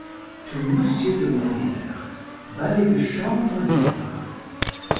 To Monsieur de Moliére, Valet de Chambre du Roi.